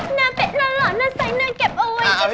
หน้าเป็นล้อหน้าไซน์เนื้อเก็บเอาไว้ที่บ้าน